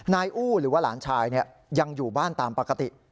อู้หรือว่าหลานชายยังอยู่บ้านตามปกติ